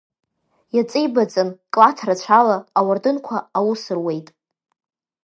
Иаҵеибаҵан клаҭ рацәала, ауардынқәа аус руеит.